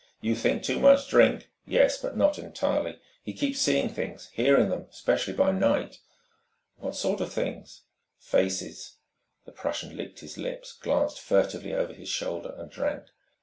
You think too much drink. Yes, but not entirely. He keeps seeing things, hearing them, especially by night." "What sort of things?" "Faces." The Prussian licked his lips, glanced furtively over his shoulder, and drank.